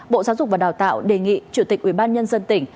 bộ giáo dục và đào tạo đề nghị chủ tịch ubnd tỉnh